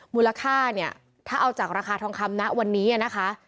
มูลค่าเนี่ยถ้าเอาจากราคาทองคำนะวันนี้นะคะ